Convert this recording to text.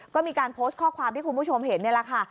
ก็มีการโพสต์ข้อความที่คุณผู้ชมเห็นนี่แหละค่ะ